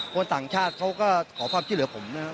คนต่างชาติเขาก็ขอความช่วยเหลือผมนะครับ